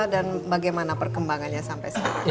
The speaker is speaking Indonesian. dan bagaimana perkembangannya sampai sekarang